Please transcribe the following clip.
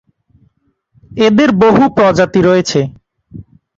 এদের বহু প্রজাতি রয়েছে।